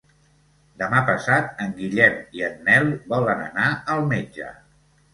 Demà passat en Guillem i en Nel volen anar al metge.